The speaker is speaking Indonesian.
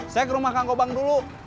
saya ke rumah kangkobang dulu